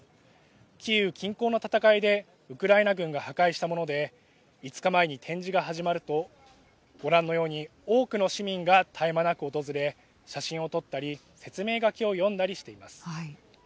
キーウ近郊の戦いでウクライナ軍が破壊したもので５日前に展示が始まるとご覧のように多くの市民が絶え間なく訪れ写真を撮ったり説明書きを読んだりしています。